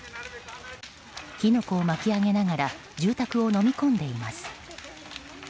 火の粉を巻き上げながら住宅をのみ込んでいます。